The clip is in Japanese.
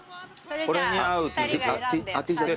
これに合うＴシャツ。